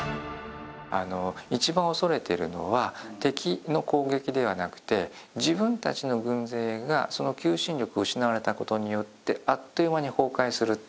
一番恐れているのは敵の攻撃ではなくて自分たちの軍勢がその求心力を失われた事によってあっという間に崩壊するっていう。